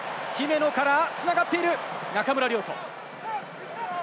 姫野から繋がっている、中村亮土！